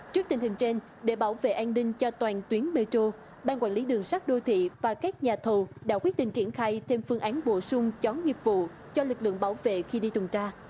trước tình hình trên để bảo vệ an ninh cho toàn tuyến metro bang quản lý đường sắt đô thị và các nhà thầu đã quyết định triển khai thêm phương án bổ sung chó nghiệp vụ cho lực lượng bảo vệ khi đi tuần tra